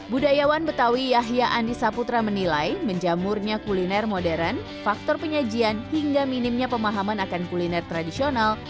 budayawan betawi yahya andi saputra menilai menjamurnya kuliner modern faktor penyajian hingga minimnya pemahaman akan kuliner tradisional